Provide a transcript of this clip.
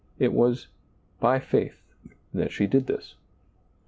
It was " by faith " that she did this.